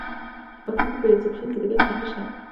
د پکتیکا په یوسف خیل کې د ګچ نښې شته.